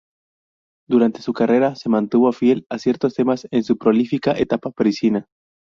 Durante su carrera se mantuvo fiel a ciertos temas en su prolífica etapa parisina.